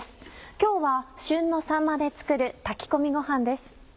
今日は旬のさんまで作る炊き込みごはんです。